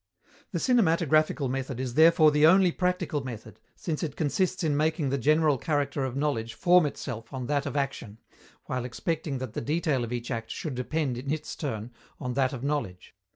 The cinematographical method is therefore the only practical method, since it consists in making the general character of knowledge form itself on that of action, while expecting that the detail of each act should depend in its turn on that of knowledge.